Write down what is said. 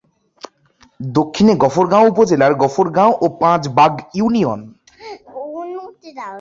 দক্ষিণে গফরগাঁও উপজেলার গফরগাঁও ও পাঁচ বাগ ইউনিয়ন।